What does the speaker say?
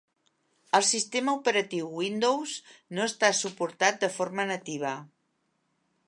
El sistema operatiu Windows no està suportat de forma nativa.